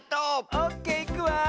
オッケーいくわ。